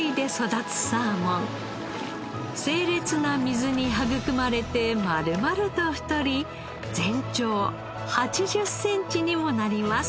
清冽な水に育まれてまるまると太り全長８０センチにもなります。